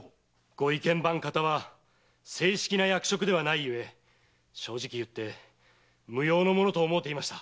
御意見番方は正式な役職ではないゆえ正直言って無用のものと思うていました。